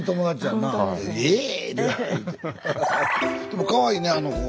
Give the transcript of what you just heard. でもかわいいねあの子。